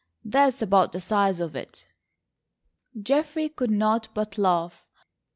That's about the size of it." Geoffrey could not but laugh.